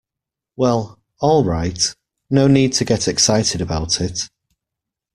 Well, all right, no need to get excited about it.